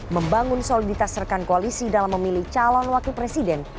membangun soliditas rekan koalisi dalam memilih calon wakil presiden